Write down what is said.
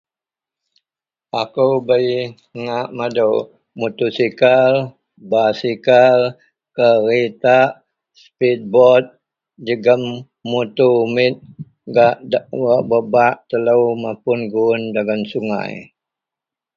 akou bei ngak madou motosikal, basikal, keretak, speed boat jegum moto umek gak wak bak-bak telou mapun guun dagen sungai